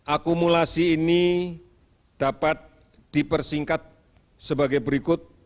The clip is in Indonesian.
akumulasi ini dapat dipersingkat sebagai berikut